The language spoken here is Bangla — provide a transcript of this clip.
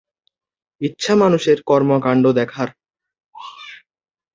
ইচ্ছা মানুষের কর্মকাণ্ড দেখার।